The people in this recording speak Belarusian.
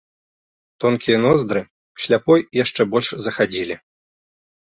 Тонкія ноздры ў сляпой яшчэ больш захадзілі.